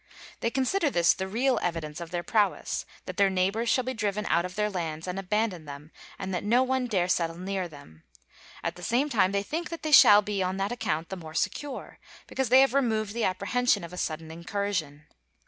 They consider this the real evidence of their prowess, that their neighbors shall be driven out of their lands and abandon them, and that no one dare settle near them; at the same time they think that they shall be on that account the more secure, because they have removed the apprehension of a sudden incursion.